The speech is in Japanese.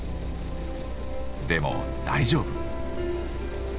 でも大丈夫。